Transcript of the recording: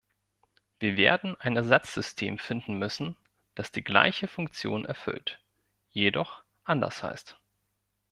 Wir werden ein Ersatzsystem finden müssen, das die gleiche Funktion erfüllt, jedoch anders heißt.